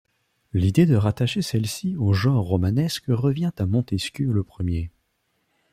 L’idée de rattacher celle-ci au genre romanesque revient à Montesquieu le premier.